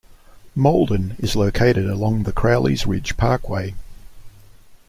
Malden is located along the Crowley's Ridge Parkway.